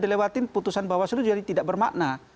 dilewatin putusan bawaslu jadi tidak bermakna